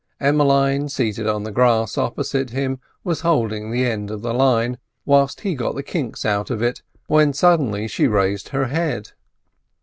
Emmeline, seated on the grass opposite to him, was holding the end of the line, whilst he got the kinks out of it, when suddenly she raised her head.